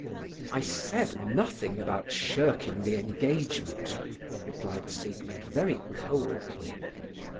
"I said nothing about shirking the engagement," replied Siegmund, very coldly.